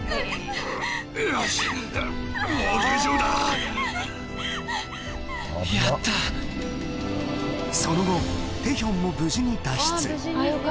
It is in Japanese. もう大丈夫だやったその後テヒョンも無事に脱出